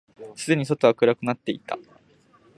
すでに外は暗くなっていた。